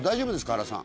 原さん。